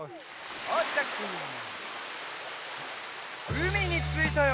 うみについたよ！